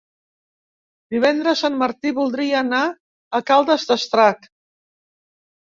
Divendres en Martí voldria anar a Caldes d'Estrac.